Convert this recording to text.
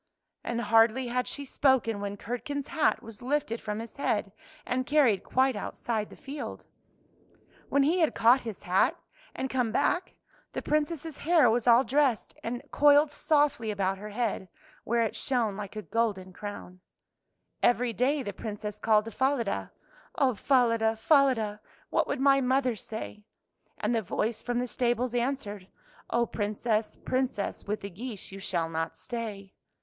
" And hardly had she spoken when Curd ken's hat was lifted from his head, and carried quite outside the field. When he had caught his hat and come [ 129 ] FAVORITE FAIRY TALES RETOLD back, the Princess' hair was all dressed, and coiled softly about her head, where it shone like a golden crown. Every day the Princess called to Falada, " Oh, Falada, Falada, what would my mother say? " And the voice from the stables answered, " Oh, Princess, Princess, with the geese you shall not stay."